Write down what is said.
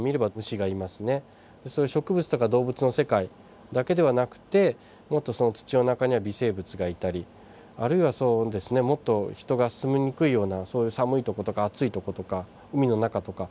そういう植物とか動物の世界だけではなくてもっとその土の中には微生物がいたりあるいはそうですねもっと人が住みにくいようなそういう寒いとことか暑いとことか海の中とか。